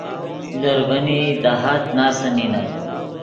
لیرڤنئی داہات ناسے نینت